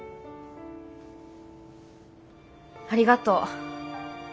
ありがとう。